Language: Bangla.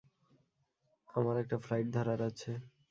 আমার একটা ফ্লাইট ধরার আছে।